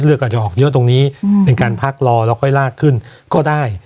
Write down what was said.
อาจจะออกเยอะตรงนี้เป็นการพักรอแล้วค่อยลากขึ้นก็ได้